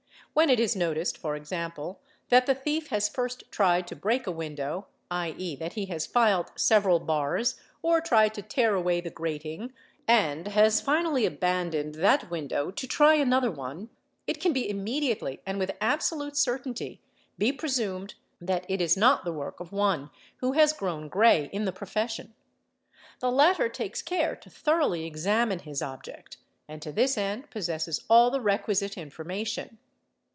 When it is noticed, for example, that the thief has first tried to break a window, 4. ¢., that he has filed several bars or tried to tear away the grating, and liately and with absolute certainty be presumed that it is not the work 712 THEFT of one who has grown grey in the profession. 'The latter takes care to — thoroughly examine his object and to this end possesses all the requisite — information.